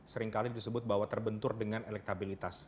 seringkali disebut bahwa terbentur dengan elektabilitas